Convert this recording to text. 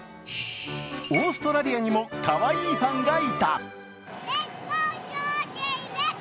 オーストラリアにもかわいいファンがいた。